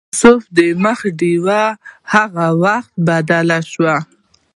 د یوسف د مخ ډیوه هغه وخت بله شوه.